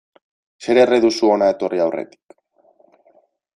Zer erre duzu hona etorri aurretik.